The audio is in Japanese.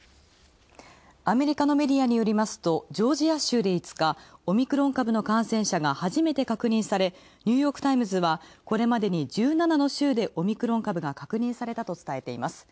アメリカのメディアによりますとジョージア州で５日、オミクロン株の感染者が初めて確認されニューヨーク・タイムズはこれまでに１７の州でオミクロン株が確認されたと伝えています。